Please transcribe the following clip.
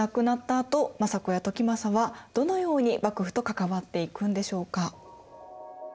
あと政子や時政はどのように幕府と関わっていくんでしょうか。